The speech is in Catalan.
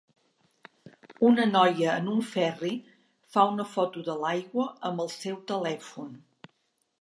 Una noia en un ferri fa una foto de l'aigua amb el seu telèfon.